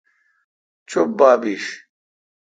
چپ با بیش۔